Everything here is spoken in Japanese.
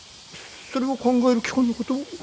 それを考える期間のことを。